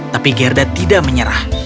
tapi gerda tidak menyerah